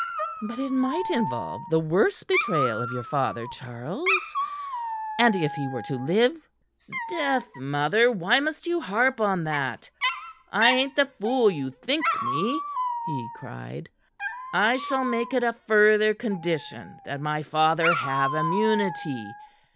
"But it might involve the worse betrayal of your father, Charles, and if he were to live " "'Sdeath, mother, why must you harp on that? I a'n't the fool you think me," he cried. "I shall make it a further condition that my father have immunity.